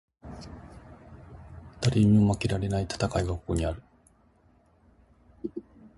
誰にも負けられない戦いがここにある